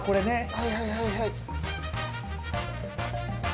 はいはいはいはい。